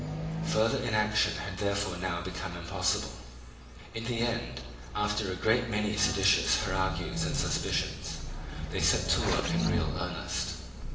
Further inaction had therefore now become impossible. In the end, after a great many seditious harangues and suspicions, they set to work in real earnest.